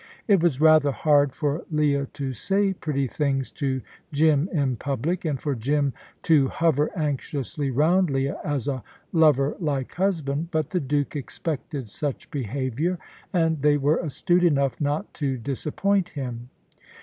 It was rather hard for Leah to say pretty things to Jim in public, and for Jim to hover anxiously round Leah as a lover like husband; but the Duke expected such behaviour, and they were astute enough not to disappoint him.